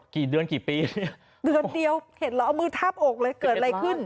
กี่เดือนกี่ปีเนี่ยเดือนเดียวเห็นเหรอเอามือทาบอกเลยเกิดอะไรขึ้น